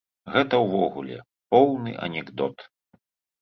Гэта ўвогуле поўны анекдот.